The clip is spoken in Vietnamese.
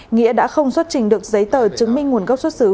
nghĩa đã không xuất trình được giấy tờ chứng minh nguồn gốc xuất xứ